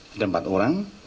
ada empat orang